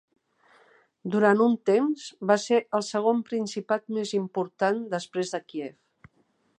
Durant un temps, va ser el segon principat més important, després de Kiev.